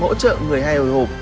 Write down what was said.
hỗ trợ người hay hồi hộp